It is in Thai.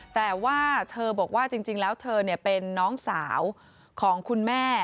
แต่ว่าเธอบอกว่าจริงแล้วเธอเป็นน้องสาวของคุณแม่